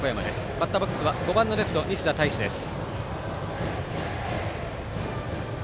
バッターボックスは５番のレフト西田大志です。